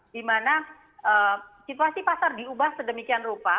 dimana situasi pasar diubah sedemikian rupa